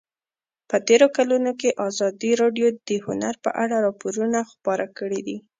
په تېرو کلونو کې ازادي راډیو د هنر په اړه راپورونه خپاره کړي دي.